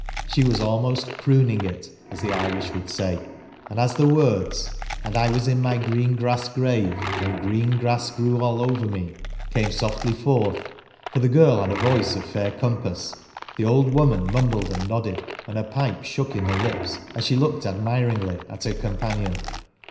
She was almost "crooning it/' as the Irish would say; and as the words — And I was in my green grass grave, And green grass grew all over me— came softly forth, for the girl had a voice of fair compass, the old woman mumbled and nodded, and ^ her pipe shook in her lips, as she looked admiringly at ner companion.